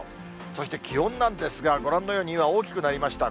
そして気温なんですが、ご覧のように、今、大きくなりました。